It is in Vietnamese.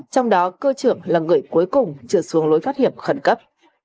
trong đó cơ trưởng là người cuối cùng trượt xuống lối thoát hiểm khẩn cấp